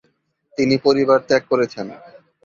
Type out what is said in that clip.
তিনি পরিবার ত্যাগ করেছেন।